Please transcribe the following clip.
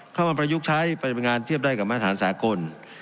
เข้ามาประยุกต์ใช้ปฏิบัติงานเทียบได้กับมาตรฐานสากล